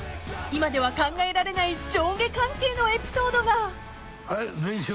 ［今では考えられない上下関係のエピソードが］